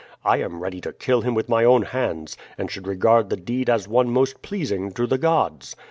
I am ready to kill him with my own hands, and should regard the deed as one most pleasing to the gods.